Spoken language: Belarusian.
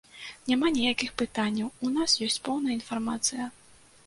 Няма ніякіх пытанняў, у нас ёсць поўная інфармацыя.